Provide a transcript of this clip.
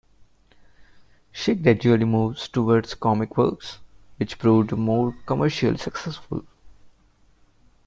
She gradually moved towards comic works, which proved more commercially successful.